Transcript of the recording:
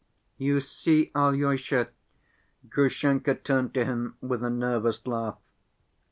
"You see, Alyosha," Grushenka turned to him with a nervous laugh.